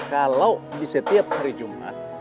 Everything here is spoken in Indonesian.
kalau di setiap hari jumat